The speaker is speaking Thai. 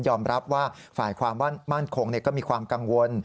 รับว่าฝ่ายความมั่นคงก็มีความกังวล